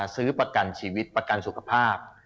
ซื้อประกันชีวิตประกันสุขภาพ